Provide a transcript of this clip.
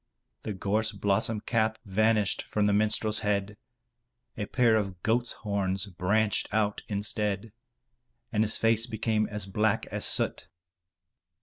The gorse blossom cap vanished from the minstrel's head, a pair of goat's horns branched out instead, and his face became as black as soot.